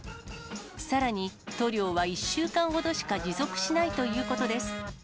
さらに、塗料は１週間ほどしか持続しないということです。